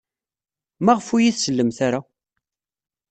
Maɣef ur iyi-tsellemt ara?